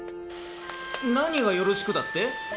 何がよろしくだって？